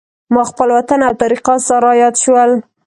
ما خپل وطن او تاریخي اثار را یاد شول.